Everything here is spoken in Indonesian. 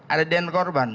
ada dna korban